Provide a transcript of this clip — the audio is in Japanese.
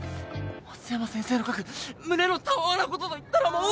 松山先生の描く胸のたわわなことといったらもう。